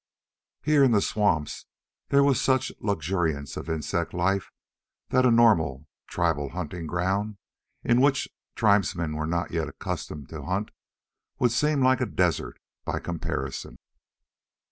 Here in the swamps there was such luxuriance of insect life that a normal tribal hunting ground in which tribesmen were not yet accustomed to hunt would seem like a desert by comparison.